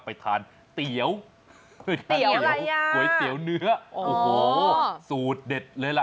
ไปทานเตี๋ยวเตี๋ยวอะไรอ่ะเตี๋ยวเนื้อโอ้โหสูตรเด็ดเลยล่ะ